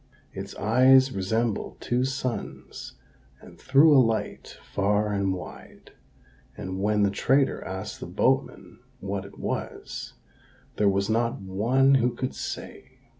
Its eyes resembled two suns, and threw a light far and wide; and when the trader asked the boatmen what it was, there was not one who could say.